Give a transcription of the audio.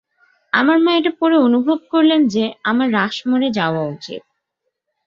আমার মা এটা পড়ে অনুভব করলেন যে আমার রাশমোর এ যাওয়া উচিৎ।